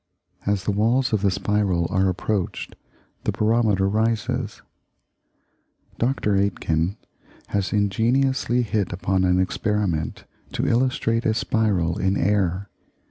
As the walls of the spiral are approached, the barometer rises. Dr. Aitken has ingeniously hit upon an experiment to illustrate a spiral in air.